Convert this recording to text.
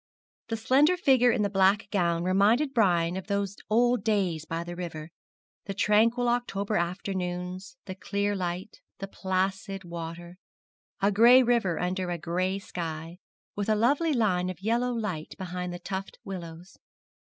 The slender figure in the black gown reminded Brian of those old days by the river the tranquil October afternoons the clear light the placid water a gray river under a gray sky, with a lovely line of yellow light behind the tufted willows.